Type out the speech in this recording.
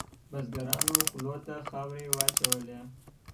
بزګرانو خولو ته خاورې واچولې.